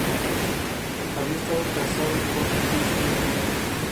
Había estado casado con la actriz Jeanne Lion.